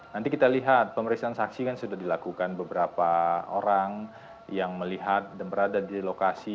nanti kita lihat pemeriksaan saksi kan sudah dilakukan beberapa orang yang melihat dan berada di lokasi